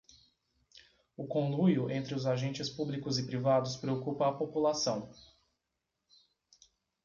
O conluio entre os agentes públicos e privados preocupa a população